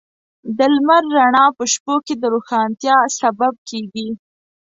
د لمر رڼا په شپو کې د روښانتیا سبب کېږي.